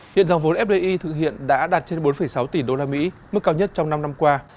hiện dòng vốn fdi thực hiện đã đạt trên bốn sáu tỷ usd mức cao nhất trong năm năm qua